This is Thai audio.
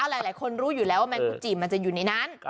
หลายคนรู้อยู่แล้วว่าแมงกุจิมันจะอยู่ในนั้น